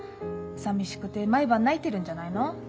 さみしくて毎晩泣いてるんじゃないの？